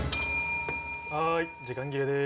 はい時間切れです。